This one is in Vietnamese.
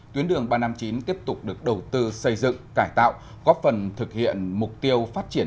tuyến đường ba trăm năm mươi chín tiếp tục được đầu tư xây dựng cải tạo góp phần thực hiện mục tiêu phát triển